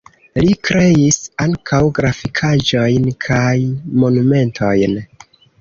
Li kreis ankaŭ grafikaĵojn kaj monumentojn.